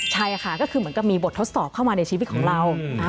ใช่ค่ะก็คือเหมือนกับมีบททดสอบเข้ามาในชีวิตของเรา